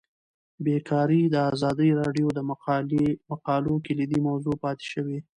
بیکاري د ازادي راډیو د مقالو کلیدي موضوع پاتې شوی.